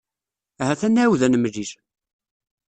Ahat ad nɛawed ad nemlil.